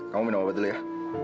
kamu minum obat dulu ya